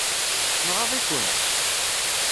Nɣaḍ-iken?